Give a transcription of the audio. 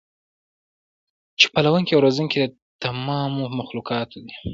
چې پالونکی او روزونکی د تمامو مخلوقاتو دی